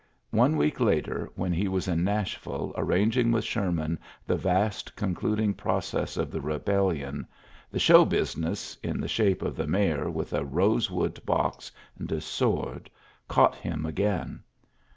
One week later, y he was in BTashville arranging with S man the vast concluding process of Bebellion, the ^^show business,'' in shape of the mayor with a rosewood and a sword, caught him again.